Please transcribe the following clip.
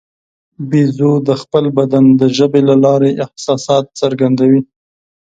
بیزو د خپل بدن د ژبې له لارې احساسات څرګندوي.